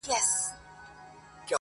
چي په هرځای کي مي وغواړی او سېږم٫